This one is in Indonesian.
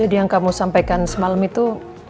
jadi yang kamu sampaikan semalem itu